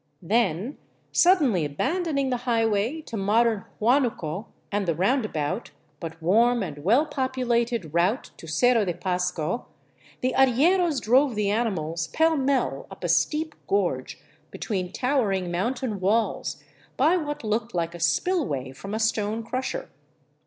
Then suddenly abandoning the highway to modern Huanuco and the roundabout, but warm and well populated, route to Cerro de Pasco, the arrieros drove the animals pell mell up a steep gorge between towering mountain walls, by what looked like a spillway from a stone crusher.